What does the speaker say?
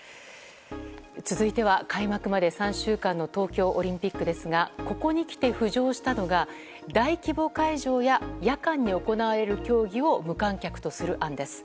続いては開幕まで３週間の東京オリンピックですがここにきて浮上したのが大規模会場や夜間に行われる競技を無観客とする案です。